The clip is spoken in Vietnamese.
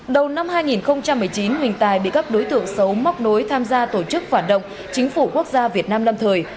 đầu năm hai nghìn một mươi chín huỳnh tài bị các đối tượng xấu móc nối tham gia tổ chức phản động chính phủ quốc gia việt nam lâm thời